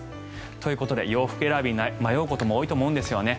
ということで洋服選びに迷うことも多いと思うんですよね。